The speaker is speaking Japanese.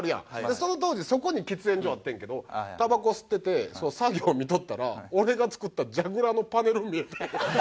その当時そこに喫煙所あってんけどタバコ吸ってて作業見とったら俺が作ったジャグラーのパネル見えて。